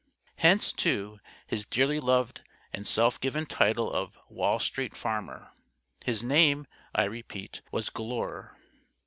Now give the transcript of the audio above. Hence, too, his dearly loved and self given title of "Wall Street Farmer." His name, I repeat, was Glure.